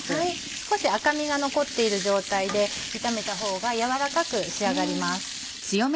少し赤みが残っている状態で炒めたほうが軟らかく仕上がります。